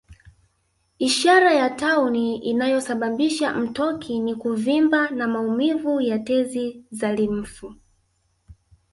Ishara ya tauni inayosababisha mtoki ni kuvimba na maumivu ya tezi za limfu